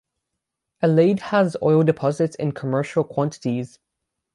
Alade has oil deposits in commercial quantities.